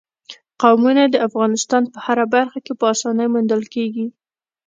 قومونه د افغانستان په هره برخه کې په اسانۍ موندل کېږي.